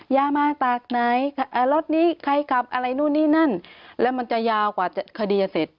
ยามาจากไหนรถนี้ใครขับอะไรนู่นนี่นั่นแล้วมันจะยาวกว่าคดีจะเสร็จ